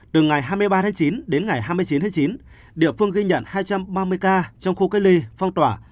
từ ngày hai mươi ba chín đến ngày hai mươi chín chín địa phương ghi nhận hai trăm ba mươi ca trong khu cây ly phong tỏa